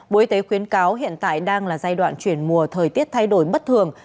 bộ y tế khuyến cáo hiện tại đang là giai đoạn chuyển mùa thời tiết thay đổi bất thường